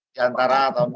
di antara tahun ini